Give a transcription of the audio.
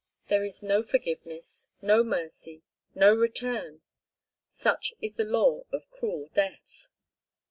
There is no forgiveness, no mercy, no return—such is the law of cruel death.